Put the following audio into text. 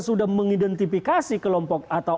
sudah mengidentifikasi kelompok atau